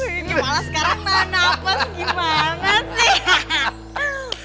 ini malah sekarang tahan nafas gimana sih